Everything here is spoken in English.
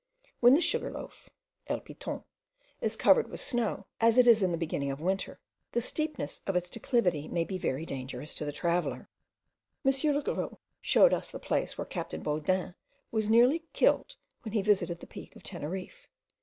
When the Sugar loaf (el Piton) is covered with snow, as it is in the beginning of winter, the steepness of its declivity may be very dangerous to the traveller. M. Le Gros showed us the place where captain Baudin was nearly killed when he visited the Peak of Teneriffe.